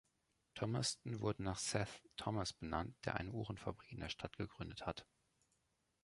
Thomaston wurde nach Seth Thomas benannt, der eine Uhrenfabrik in der Stadt gegründet hat.